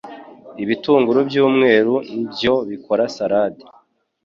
Ibitunguru byumweru nbyo bikora salade